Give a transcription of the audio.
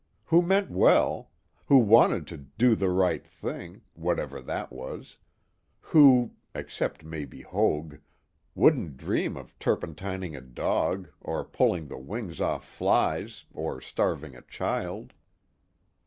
Who meant well; who wanted to "do the right thing," whatever that was; who (except maybe Hoag) wouldn't dream of turpentining a dog or pulling the wings off flies or starving a child.